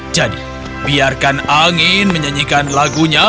jadi biarkan angin menyanyikan lagunya